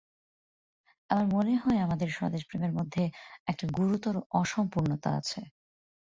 আমার মনে হয় আমাদের স্বদেশপ্রেমের মধ্যে একটা গুরুতর অসম্পূর্ণতা আছে।